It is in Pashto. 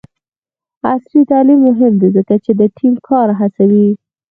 عصري تعلیم مهم دی ځکه چې د ټیم کار هڅوي.